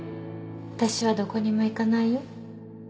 私はどこにも行かないよ。